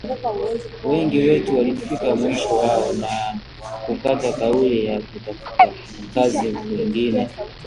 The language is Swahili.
Wengi wetu walifika mwisho wao na kukata kauli ya kutafuta kazi kwingine